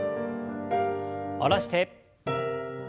下ろして。